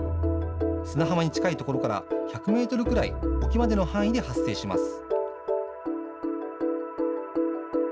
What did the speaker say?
砂浜に近いところから１００メートルくらい沖までの範囲で発生します。